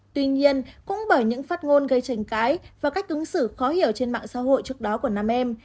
tuy nhiên cũng bởi những phát ngôn gây tranh cãi và cách ứng xử khó hiểu trên mạng xã hội trước đó của nam em